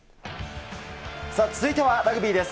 続いてはラグビーです。